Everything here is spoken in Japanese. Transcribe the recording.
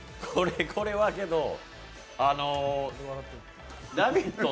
これは、「ラヴィット！」